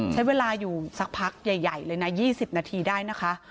ใช้เวลาอยู่สักพักใหญ่เลยนะ๒๐นาทีได้นะคะ